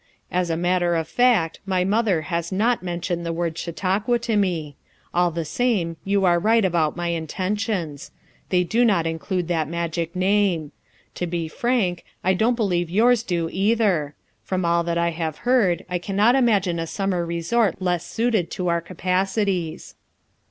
As a matter of fact my mother has not mentioned the word Chautauqua to me; all the same you are right about my intentions ; they do not include that magic name; to be frank, I don't believe yours do, either; from all that I have heard I cannot imagine a summer resort less suited to our ca pacities.